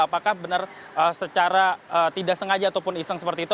apakah benar secara tidak sengaja ataupun iseng seperti itu